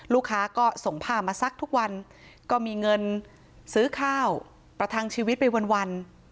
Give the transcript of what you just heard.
ลูกค้าก็ส่งผ้ามาซักทุกวันก็มีเงินซื้อข้าวประทังชีวิตไปวัน